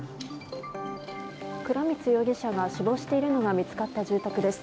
倉光容疑者が死亡しているのが見つかった住宅です。